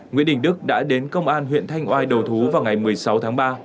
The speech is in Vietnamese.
nguyễn đình đức đã đến công an huyện thanh oai đầu thú vào ngày một mươi sáu tháng ba